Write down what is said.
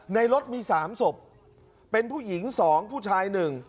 ในรถมี๓ศพเป็นผู้หญิง๒ผู้ชาย๑